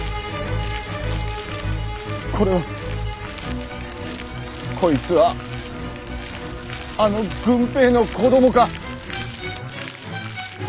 これはこいつはあの郡平の子供かッ！！